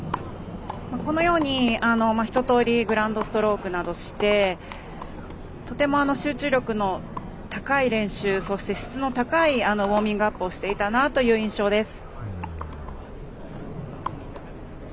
このように、一とおりグラウンドストロークなどしてとても集中力の高い練習そして質の高いウォーミングアップをしていたなという印象です。